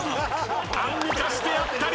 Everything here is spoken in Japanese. アンミカしてやったり！